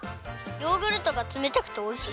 ヨーグルトがつめたくておいしい。